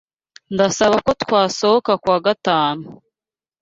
Ndasaba ko twasohoka kuwa gatanu.